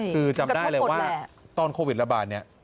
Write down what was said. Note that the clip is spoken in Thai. คือจำได้เลยว่าตอนโควิดระบาดเนี่ย